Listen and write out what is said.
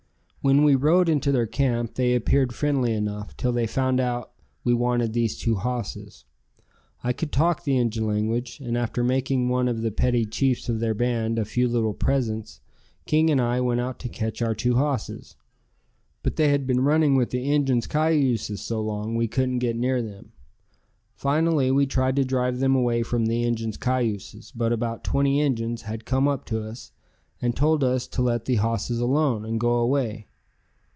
When we rode into their camp they appeared friendly enough till they found out we wanted these two hosses. I could talk the Injun language, and after making one of the petty chiefs of their band a few little presents, King and I went out to catch our two hosses, but they had been running with the Injuns' cayuses so long we couldn't get near them. Finally we tried to drive them away from the Injuns' cayuses, but about twenty Injuns had come up to us and told us to let the hosses alone and go away.